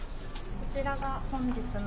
こちらが本日の。